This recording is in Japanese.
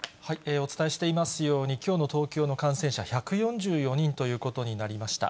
お伝えしていますように、きょうの東京の感染者１４４人ということになりました。